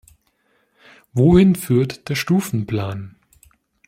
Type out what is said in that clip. Wohin führt der Stufenplan?